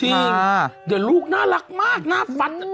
จริงเดี๋ยวลูกน่ารักมากหน้าฟัน